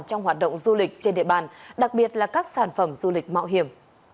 trong hoạt động du lịch trên địa bàn đặc biệt là các sản phẩm du lịch mạo hiểm